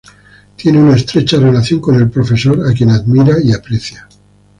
Tiene una estrecha relación con el profesor, a quien admira y aprecia.